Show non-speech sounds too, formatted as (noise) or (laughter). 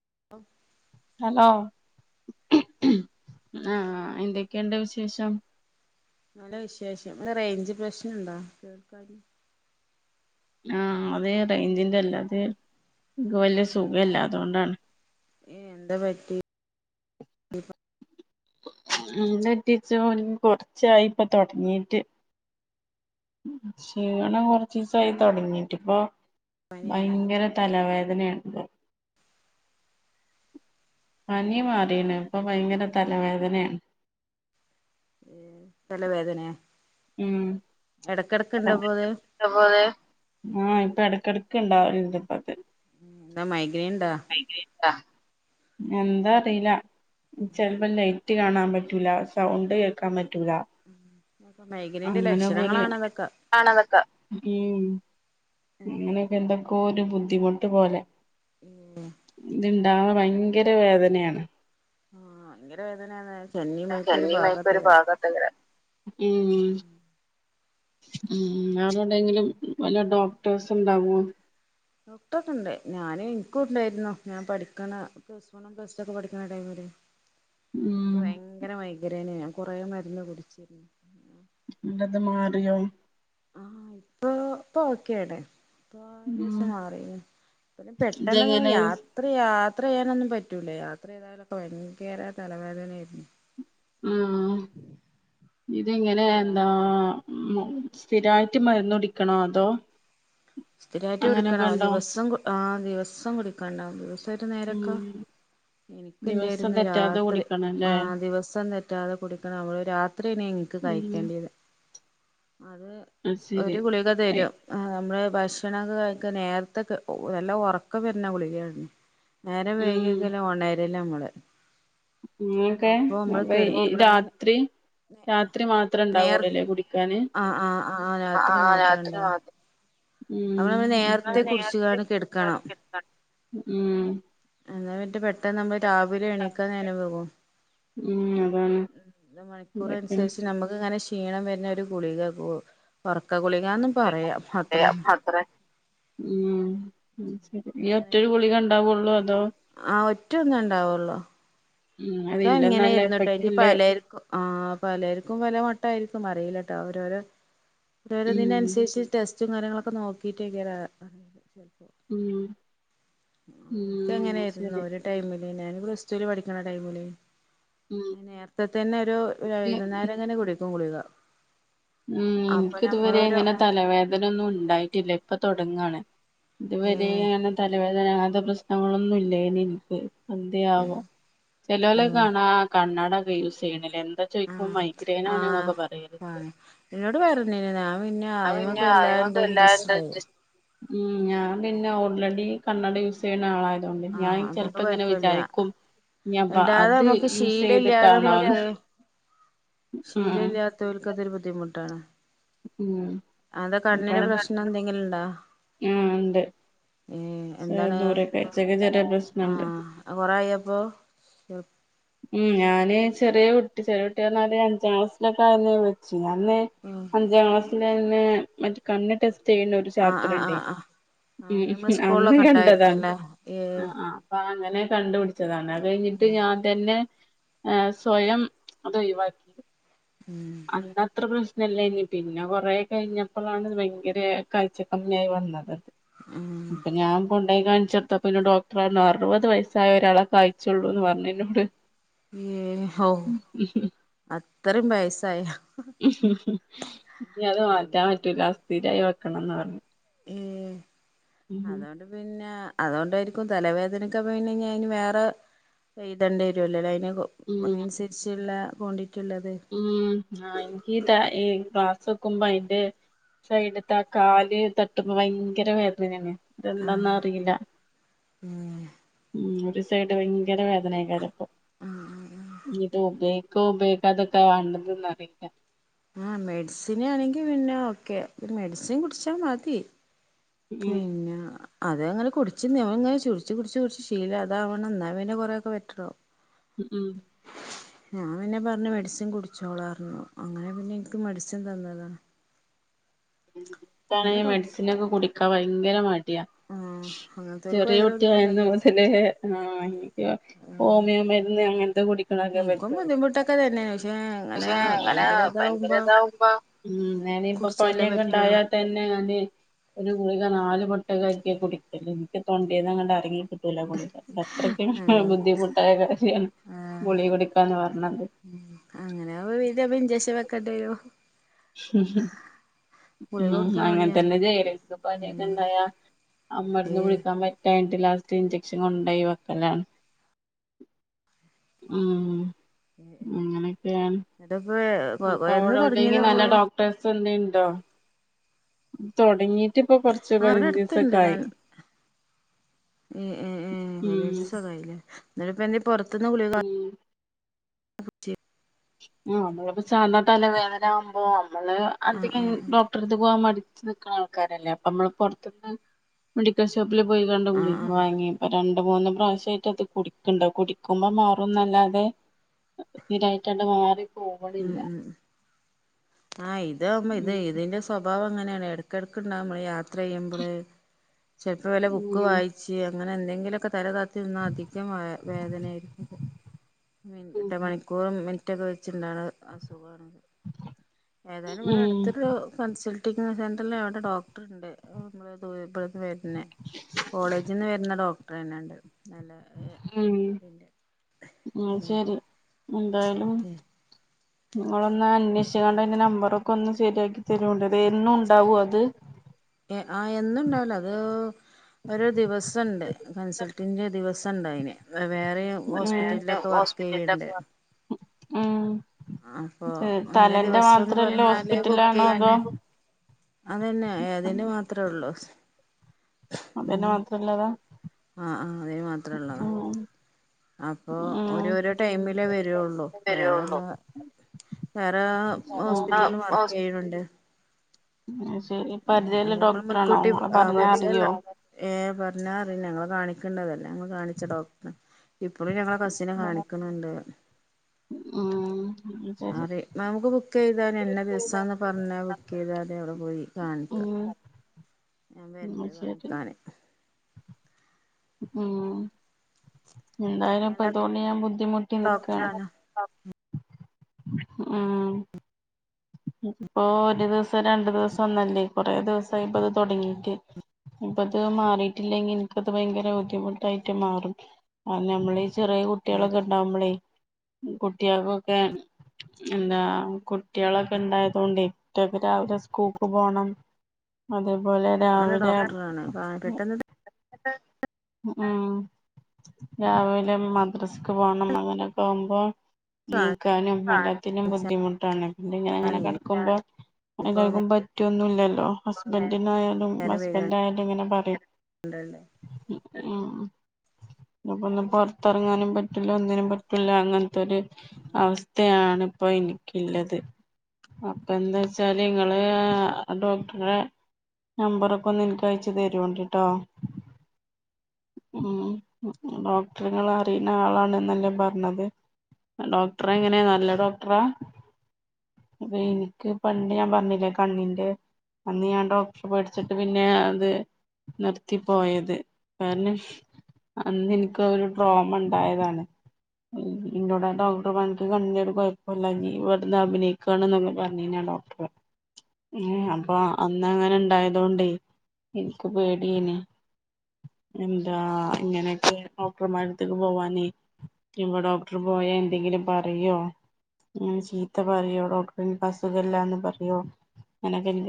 (unintelligible) Hello ആഹ് എന്തൊക്കെയുണ്ട് വിശേഷം? നല്ല വിശേഷം ഇടെ റേഞ്ച് പ്രശ്നണ്ടോ ആഹ് അതെയതെ എന്തിൻ്റെ അല്ലാതെ? എനിക്ക് വല്യ സുഖയില്ല അതുകൊണ്ടാണ്. എന്ത്പറ്റി (inaudible) കൊറച്ചായിപ്പൊ തൊടങ്ങീട്ട് ക്ഷീണം കൊറച്ചീസായി തൊടങ്ങിട്ട്. ഇപ്പോ പനിണ്ടോ ഭയങ്കര തലവേദനയുണ്ട്. പനി മാറീണ്. ഇപ്പൊ ഭയങ്കര തലവേദനയാണ്. തലവേദനയോ? ഉം ആഹ് പ്പോത് (unintelligible) ഇപ്പൊ എടക്കെട ക്കൊണ്ടാവും (unintelligible) എന്താ മൈഗ്രൈൻ ഇണ്ടോ എന്താ അറിയില്ല (unintelligible) കാണാൻ പറ്റൂല. സൗണ്ട് കേൾക്കാൻ പറ്റൂല. മൈഗ്രൈന്റെ അങ്ങനെയൊക്കൊരു ലക്ഷണങ്ങളാണ് ഇതൊക്കെ (inaudible) എന്താ അങ്ങനെയൊക്കെ അറിയില്ല എന്തൊക്കെയോ ബുദ്ധിമുട്ട് പോലെ. ഏ ഇത് ഇണ്ടായ ഭയങ്കര വേദനയാണ് ആഹ് ഭയങ്കര വേദനാണ് (inaudible) (unintelligible) ഉം അതുകൊണ്ടെങ്കിലും വല്ല ഡോക്ടേഴസ് ഉണ്ടാവോ? ഡോക്ടർ ഒക്കെണ്ട് ഞാനും എനിക്കുണ്ടായിരുന്നു. ഞാൻ പഠിക്കണ പ്ലസ് വൺ പ്ലസ് ടു ഒക്കെ പഠിക്കണ ടൈമിൽ. ഉം എനിക്ക് ഭയങ്കര മൈഗ്രെയിനേനു ഞാൻ കുറെ മരുന്ന് കുടിച്ച് നിന്റേത് മാറിയോ ആഹ് ഇപ്പൊ ഇപ്പൊ ഓക്കെയാണ്. ഇപ്പൊ ഉം അയിന്റേഷം മാറി. (unintelligible) പിന്നെ പെട്ടെന്നങ്ങ് ഇതെങ്ങനെ യാത്രിയാ ത്ര ചെയ്യാനൊന്നും പറ്റൂല. യാത്ര ചെയ്താലൊക്കെ ഭയങ്കര തലവേദനയാരുന്നു. മ്ഹ് ആഹ് ഇതിങ്ങനെ യാ എന്താ ഉം സ്ഥിരായിട്ട് മരുന്ന് കുടിക്കണോ അതോ സ്ഥിരമായിട്ട് അങ്ങനെയൊക്കെ കുടിക്കണം. ഉണ്ടോ ദിവസം ദിവസം കുടിക്കണം. ദിവസ ഒരു ഉം നേരൊക്കെ ദിവസം എനിക്കുണ്ടായിരുന്നു തെറ്റാതെ രാത്രി കുടിക്കണം ല്ലേ ആ ദിവസം തെറ്റാതെ കുടിക്കണം നമ്മള് രാത്രി നിനക്ക് ഉം കഴിക്കേണ്ടിയത് അത് അത് ശരി ഒരു ഗുളിക തരും നമ്മള് ഭക്ഷണൊക്കെ കഴിക്ക നേരത്തെ നല്ല ഒറക്കം വരുന്ന ഗുളികയാണ്. നേരം ഉം വൈകിയേച്ചാല് ഒണരില്ല നമ്മള്. ഇനിയൊക്കെ അപ്പൊ നമ്മള് (unintelligible) ഈ കെടുക്കണേന് രാത്രി രാത്രി നേർ മാത്രേണ്ടാവള്ളൂല്ലേ കുടിക്കാന് ആഹ് ആഹ് രാത്രി ആഹ് ആഹ് മാത്രം രാത്രി ഉണ്ടാവും അപ്പ നമ്മള് മാ നേരത്തെ കുടിച്ച്കാണ്ട് കെടക്കണം ഉം ഉം നമ്മൾ രാവിലെ എണീക്കാൻ നേരം വൈകും ഉം അതാണ് അതൊക്കെയാണ് മണിക്കൂറനുസരിച്ച് നമ്മക്ക് ഇങ്ങനെ ക്ഷീ ക്ഷീണം വരുന്ന ഒരു ഗുളിക ഒറക്ക ഗുളികാന്നും പറയാം. അത്രതന്നെ ഉം ഈ ഒറ്റൊരു ഗുളികണ്ടാവുള്ളു ആ ഒറ്റ ഒന്നു ഇണ്ടാവുള്ളോ ഉം ഇനക്ക് അതില്ല എങ്ങനെ നല്ല ന്നിട്ടോ എഫക്റ്റ് ഇ ഇല്ല പലരിക്കും ആ പലർക്കും പല മട്ട ആയിരിക്കും അറിയിലട്ടോ അവരോരോ ഒരുരതിന ഉം അനുസരിച്ച് ടെസ്റ്റും കാര്യങ്ങളൊക്കെ നോക്കിട്ടേക്ക ശ എക്ക് ഉം ഉം എങ്ങനൊയിരുന്നു ശരി ഒരു ടൈമില് ല്ല ഞാനിവിടെ പ്ലസ്റ്റുല് പഠിക്കണ ടൈമില് ഉം നേരത്തെ തന്നെ ഒരു വൈക്ന്നുന്നേരംങ്ങനെ കുടിക്കും ഗുളിക ഉം അപ്പൊ എനിക്ക് ഇതുവരെ നമ്മളൊരു എങ്ങനെ തലവേദനൊന്നും ഉണ്ടായിട്ടില്ല ഇപ്പൊ തുടങ്ങയാണ് ഇതുവരെ ഏഹ് അങ്ങനെ തലവേദനാത പ്രശ്നങ്ങളൊന്നും ഇല്ല എനിക്ക് ഏഹ് അന്ത്യയാവോ ഏഹ് ചെിലോലൊക്കണ കണ്ണാടൊക്കെ യൂസ് ചെയ്യണ എന്താ ചോദിക്ക ആഹ് മൈഗ്രേൻ ആാണ് എന്നൊക്കെ പറയരുത് എന്നന്നോട് പറഞ്ഞന് ഞാൻ പിന്നെ പിന്നെ ആദ്യമക്ക എല്ലാ അയിമക്ക് വല്ലാണ്ട് ഇൻ്രസ്റ്റ് ഇൻട്രസ്റ്റ് ഉം ഞാൻ പിന്നെ ഓൾറെഡി കണ്ണഡ യൂസ് ചെയ്യുന്ന ആളായി ണ്ട് ഞാൻ ആഹ് അതുകൊണ്ട് ചിലപ്പോ ഇങ്ങനെ കൊഴപ്പല്ല വിചാരിക്കും ഞാൻപ്പാ ഇടാതെ അത് നമുക്ക് യൂസ് ചെയ്തിട്ടാണോ ശീല ഇല്ലാത്തവർക്ക് അതൊരു ബുദ്ധിമുട്ടാണ് ഉം അത കണ്ണിന്റെ പ്രശ്നം എന്തെങ്കിലും ഇണ്ടോ ആ ഉണ്ട് ദൂരൊക്കെച്ചക്ക ച ആ കൊറയപ്പോ ഉം ഞാന് ചെറിയ കുട്ടി ചെറിയ കുട്ട പറഞ്ഞ ഒരു അഞ്ചാം ക്ലാസിലൊക്കെ ആയുന്നേ വെച്ചു അന്ന് ഉം അഞ്ചാം ക്ലാസ് ലായന്ന് മറ്റ് കണ്ണ് ടെസ് റ്റെയ്ണൊര് ആഹ് ആഹ് ആഹ് ചാപ്റ്ററ്ണ്ടേയ് ആഹ് ആഹ് ഉം പിന്നെ നമ്മളെ അന്ന് സ്കൂളിലൊക്കെ കണ്ടതാണ് ഉണ്ടായിരുന്നല്ലേ ഏഹ് അ ത്ത അപ്പ അങ്ങനെ കണ്ട് പിടിച്ചതാണ് അത് കഴിഞ്ഞിട്ട് ഞാ ന് സ്വയം ത് ഒയ് വാക്കി ഉം അന്നത്ര പ്രശ് നല്ലേനി പിന്നെ കൊറേ കയ്ഞ്ഞപ്പളാണ്ത് ഭയങ്കര കായ്ച കമ്മ്യായി വന്നത് ഉം അപ്പൊ ഞാൻ കൊ ണ്ടോയി കാണിച്ചെടുത്തപ്പന്നെ ഡോക്റർ പറഞ്ഞു അറുപത് വയസ്സായ ഒരാളെ കായ്ച്ചാെള്ളൂന്ന് പറഞ്ഞുന്നോട് ഏ ഔ അ അത്റിം വയസായ ഇനി അത് മാറ്റാൻ പറ്റൂല സ്ഥിരായി വെക്കണംന്ന് പറഞ്ഞു എ ഉം അതോണ്ട് പിന്നെ അതോണ്ടായിരിക്കും തലവേദനക്കപ്പ പിന്നെഞ്ഞയ്ന് വേറെ എയ്തെണ്ടിരുല്ലോലെ അയ്ന് ഒ ഉം അയ്നൻസര്ച്ച്ള്ളെ കോണ്ടി ഉം ആ ഇൻക്ക്ത എ പ സക്ക്മ്പോ അയ്ന്റെ സൈഡ്ത്തെ ആ കാല് തട്ടുമ്പോ ഭയങ്കര വേദനേണ് ആഹ് ഇതെന്താന്നറീല ഏഹ് ഉം ഒര് സൈഡ് ഭയങ്കര വേദനെയ്ക്കാരപ്പം ഇത് ഉപയോഗിക്കോ ഉപയോഗിക്കാത്ക്ക വാണ്ടത് ന്നറീല്ല ആ മെഡിസിനാണെങ്കി പിന്നെ ഓക്കെ ഒര് മെഡ്സിൻ കുട്ച്ചാ മതി ഉം പിന്ന അത് അങ്ങനെ കുടിച്ച് (unintelligible) ചുട്ച്ച് കുടിച്ച് കുടിച്ച് ശീലം അതാവണം ന്നാ പിന്നെ കൊറേയൊക്കെ ബെറ്ററാവും ഉ ഉം ഞാൻ പിന്നെ പറഞ്ഞ് മെഡ്സിൻ കുടിച്ചോളാർഞ്ഞു അങ്ങനെ പിന്നെ ൻക്ക് മെഡ്സിൻ തന്നത് ണെ ഈ മെഡ്സിനൊക്കെ കുടിക്കാ ഭയങ്കര മടിയാ ആഹ് അങ്ങനത്തോൽക്ക് ചെറിയ ഭയങ്കര കുട്ടിയായന്നു ബുദ്ധിമുട്ടായിക്കാരം മുതലേ ആ ൻക്ക് ഹോമിയോ മരുന്ന് അങ്ങൻ ത് കുടിക്കണൊക്കെ എനിക്കും പറ്റാെള്ളു ബുദ്ധിമുട്ടൊക്കെ തന്നെയാണ് പക്ഷെ അങ്ങനെ ക്ഷേ അങ്ങനെ ഭയങ്കര ഇതാവുമ്പോ ഭയങ്കരതാവുമ്പോ ഉം ഞാനിപ്പോ കുടിച്ചല്ലേ പറ്റുള്ളൂ പനിയൊക്കെണ്ടായാ തന്നെ ഞാന് ഒര് കു ളിക നാല് പൊട്ടൊക്കെ ആക്ക്യ കുടിക്കല് ൻക്ക് തൊണ്ടേന്നങ്ങട് എറങ്ങി കി ട്ടൂല ഗുളിക അത്രയ്ക്കും ഉം ബുദ്ധിമുട്ടായ കാര്യാണ് ഗുളിക കുടിക്കാന്ന് പറഞ്ഞാല് അങ്ങനെ ആവുമ്പോ ഇഞ്ചക്ഷൻ വെക്കേണ്ടി വരും ഹും ഗുളിക ഹും കൊടുക്കാൻ മടിയാവുമ്പോ അങ്ങൻത്തന്നെ ചെയ്യല് ൻക്ക് പനി ഉം ഒക്കെണ്ടായാ ആ മര്ന്ന് ഏയ് കുടിക്കാൻ പറ്റായ് ട്ട് ലാസ്റ്റ് ഇഞ്ചെക്ഷൻ കൊണ്ടോയി വെക്കലാണ് ഉം അങ്ങനൊക്കെയാണ് എന്നിട്ടിപ്പോ അപ്പൊ എന്ന് അവ്ടെ ഒവ്ടെങ്കി തുടങ്ങിയതാപ്പോ നല്ല ഡോക്ടേഴ്സ് ന്തേ ണ്ടോ തൊട്ങ്ങീട്ട്പ്പൊ കൊർച്ച് പയ്നഞ്ചിസൊക്കായി ഉം ഉം ഉം അതേത് സുഖായില്ലേ ന്നിട്ട്പ്പെന്തേ പാെറത്ത്ന്ന് ഗുളിക വാ ഉം ആ നമ്മളിപ്പോ സാധാ തലവേദന ആവുമ്പോ മ്മള് ആഹ് അധികം ആഹ് ഡോക്ടറെട്ത്ത്ക്ക് പോവാൻ മടി ച്ച് നിക്ക്ണ ആൾക്കാരല്ലേ അപ്പം മ്മള് പുറത്ത്ന്ന് മെഡിക്കൽഷോ പ്പില് പോയികാണ്ട് ആഹ് ഗുളിക ആഹ് ആഹ് വാങ്ങി പ്പോ രണ് ണ്ട് മൂന്ന് പ്രാവശ്യായിട്ടത് കുടിക്കണ്ട് കുടിക്കുമ്പോ മാറുംന്നല്ലാതെ ഇതയ് കണ്ട് മാറി ഉം ഉം ആ ഇതാവുമ്പ ഇതേ ഉം ഇതിന്റെ സ്വഭാവം അങ്ങനേണ് എടക്കെടക്ക്ണ്ടാവുമ്പളെ യാത്ര ചെയ്യുമ്പള് ചെൽപ്പോ വല്ല ബുക്ക് ഉം വായ്ച്ചെ അങ്ങനെന്തെങ്കിലൊക്കെ തലതാ ത്തി നിന്ന അധികം വ വേദനേയ്ര്ക്കും മിർ എട്ട് മണിക്കൂറും മിനിറ്റൊക്കെ വെച്ച് ണ്ടാവ്ണ അസുഖാണ് ഏതായാലും ഇവിടെ ഉം അടുത്തൊരു കൺസൾ ട്ടി സെന്ററിലവ്ടെ ഡോക്ടർണ്ട് (unintelligible) പിന്നെ കോളേജിന്ന് വര്ന്ന ഡോക്ടറെന്നെണ്ട് നല്ല ഏ ഉം തിന്റെ ആ ഉം ശരി എന്തായാലും നിങ്ങളൊന്ന് അന്വേഷിക്കാണ്ട അതിന്റെ നമ്പറൊക്കെ ഒന്ന് ശരിയാക്കി തരുണ്ടത് എന്നും ഉണ്ടാവോ അത് ആ എന്നുണ്ടാവില്ല അത് ഒരു ഒണ്ട് അയിന് വേറെ വേറെ ഹോസ്പിറ്റലിലൊക്കെ വർക്ക് ചെയ്യണ്ട് ആഹ് അപ്പൊ ഇന്ന ദിവസംന്ന് പറഞ്ഞാല് ബുക്ക് ഹോസ്പിറ്റലാണോ അതോ ചെയ്യണ് അതന്നെ അതിന് മാത്രമേ ഉള്ളു അതിന് മാത്രം ഇല്ലതാ ആഹ് ആഹ് അതിന് മാത്ര ഉള്ളതാ അപ്പൊ ഉം ഓരോരോ ടൈമിലേ വരുള്ളു വേറെള്ള വരുള്ളൂ വേറെ ആ ഹോസ്പിറ്റല് വർക്ക് ചെയ്യണുണ്ട് ശരി ഉം പരിചയള്ള അത് നമ്മ ഡോക്ടറാണോ മുൻകൂട്ടി ഇങ്ങള് ആ പറഞ്ഞാ പരിജള്ള അറിയോ ഏ പറഞ്ഞാ ഞങ്ങൾ കാണിക്കേണ്ടതല്ല അന്ന് കാണിച്ച ഡോക്ടർ ഇപ്പഴും ഞങ്ങ കസിനെ കാണിക്കണുണ്ട് ഉം ശരി അതെ നമുക്ക് ബുക്ക് ചെയ്ത ഇന്ന ദിവസാന്ന് പറഞ്ഞ് ബുക്ക് ചെയ്താല് അവിടെ പോയി കാണിക്കാം ഉം ഞാൻ ഉം വരന്റെ ശരി പണിക്കാനെ ഉം എന്തായാലും ഇപ്പ നല്ല അതുകൊണ്ട് ഞാൻ ബുദ്ധിമുട്ടി നിക്കാണ് ഡോക്ടറാണ് ആഹ് പ്പോ ഒരു ദിവസം രണ്ടു ദിവസം ഒന്നല്ലേ കൊറേ ദിവസായിപ്പോ ഇത് തുടങ്ങിട്ട് ഇപ്പത് മാറിയിട്ടില്ലെങ്കിൽ എനിക്കത് ഭയങ്കര ബുദ്ധിമുട്ടായിട്ട് മാറും ആ ഞമ്മള് ചെറിയ ഉം കുട്ടികളൊക്കെ ഇണ്ടാവുമ്പോളേ കുട്ടികൾക്കൊക്കെ എന്താ കുട്ട് കുട്ടികളൊക്കെ ഇണ്ടായതുകൊണ്ടേ കുട്ടികൾക്ക് രാവിലെ സ്കൂൾക്ക് പോണം അത് പോലെ നല്ല രാവിലെ ഡോക്ടറാണ് പെട്ടെന്ന് ഉഉം രാവിലെ മദ്രസക്ക് പോണം അങ്ങനെയൊക്കെ ആകുമ്പോ നീക്കാനും ആ ല്ലാത്തിനും കാണിച്ചാ ബുദ്ധിമുട്ടാണ് പിന്നെ ഞാൻ ഇങ്ങനെ കടക്കുമ്പോ ഇപ്പൊ (unintelligible) കുറ്റൊന്നുല്ലല്ലോ ഹസ്ബൻഡിനായാലും നേരം ഹസ്ബൻഡ് ആയാലും ഇങ്ങനെ പറയും വൈകണ്ടല്ലേ മ് ആ അപ്പൊ ഒന്ന് പൊറത്തിറങ്ങാനും പറ്റൂല്ല ഒന്നിനും പറ്റൂല്ല അങ്ങനത്തെ ഒരു അവസ്ഥയാണ് ഇപ്പോ എനിക്കില്ലത് അപ്പൊ എന്താ വച്ചാല് ഇങ്ങള് ആ ഡോക്ടറ്ടെ നമ്പറൊക്കെ ഒന്ന് നിക്ക് അയച്ചു തരുവോണ്ടിട്ടാ ഉ ഡോക്ടറുക അറിയുന്ന ആളാണ്െന്നല്ലേ പറഞ്ഞത് ഡോക്ടറെ എങ്ങനെയാ നല്ല ഡോക്ടറാ അപ്പൊ എനിക്ക് പണ്ട് ഞാൻ പറഞ്ഞില്ലേ കണ്ണിന്റെ അന്ന് ഞാൻ ഡോക്ടർ പേഠിച്ചിട്ട് പിന്നെ അത് നിർത്തി പോയത് കാരണം അന്ന് എനക്ക് ഒരു ഡ്രോമ ഉണ്ടായതാണ് പിന്നോട ഡോക്ടർ പണിക്ക് കണ്ടട് കുഴപ്പമില്ലങ്ക ഇവിന്ന് അഭിനയിക്കും ണൊെ പറഞ്ഞ കഴിഞ്ഞ ഡോക്ടർ ഉ അപ്പൊ അന്ന അങ്ങനെ ഇണ്ടായതോണ്ടേ എനിക്ക് പേടനെ എന്താ ഇങ്ങനെയൊക്കെ ഡോക്ടർമാരുത്തേക്ക് പോവാനെ ഡോക്ടർ പോവാന എന്തെങ്കിലും പറയോ അങ്ങനെ ചീത്ത പറയോ ഡോക്ടറി അസുഖമല്ലാന്ന് പറയോനക്ക